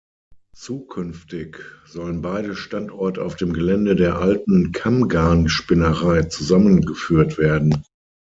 Zukünftig sollen beide Standorte auf dem Gelände der alten Kammgarnspinnerei zusammengeführt werden.